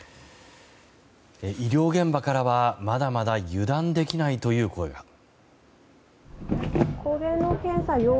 医療現場からはまだまだ油断できないという声が。